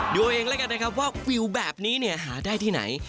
ดูเองแล้วกันนะครับว่าวิวแบบนี้เนี่ยหาได้ที่ไหน